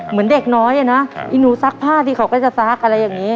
เหมือนเด็กน้อยอ่ะนะไอ้หนูซักผ้าที่เขาก็จะซักอะไรอย่างนี้